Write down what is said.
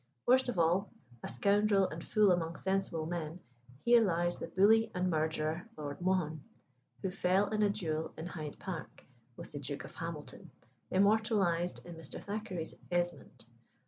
Worst of all a scoundrel, and fool among sensible men here lies the bully and murderer, Lord Mohun, who fell in a duel in Hyde Park with the Duke of Hamilton, immortalised in Mr. Thackeray's Esmond.